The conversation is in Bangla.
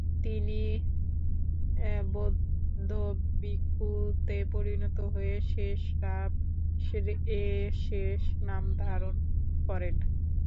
তিনি তিনি বৌদ্ধ ভিক্ষুতে পরিণত হয়ে শেস-রাব-য়ে-শেস নামধারণ করেন।